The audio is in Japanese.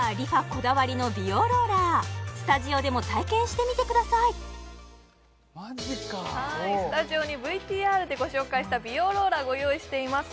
こだわりの美容ローラースタジオでも体験してみてくださいマジかスタジオにＶＴＲでご紹介した美容ローラーご用意しています